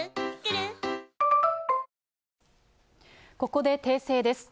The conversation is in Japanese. ここで訂正です。